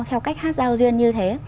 theo cách hát giao duyên như thế